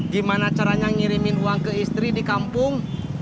gimana caranya ngirimin uang ke istri di kampung